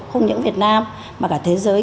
không những việt nam mà cả thế giới